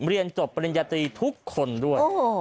เรียนจบปริญญาตรีทุกคนด้วย